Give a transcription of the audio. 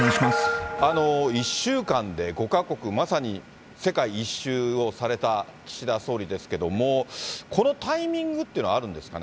１週間で５か国、まさに世界一周をされた岸田総理ですけれども、このタイミングっていうのはあるんですかね。